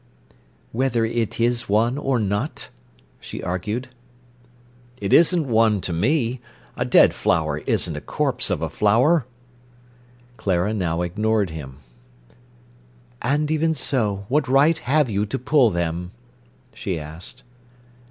"Whether it is one or not?" she argued. "It isn't one to me. A dead flower isn't a corpse of a flower." Clara now ignored him. "And even so—what right have you to pull them?" she asked.